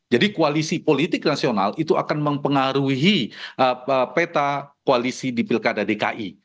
jadi koalisi politik nasional itu akan mempengaruhi peta koalisi di pilkada dki